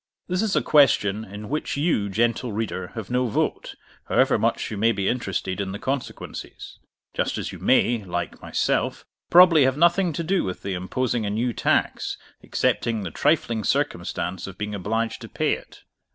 This is a question in which you, gentle reader, have no vote, however much you may be interested in the consequences; just as you may (like myself) probably have nothing to do with the imposing a new tax, excepting the trifling circumstance of being obliged to pay it.